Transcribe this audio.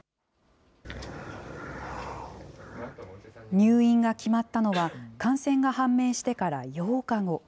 入院が決まったのは、感染が判明してから８日後。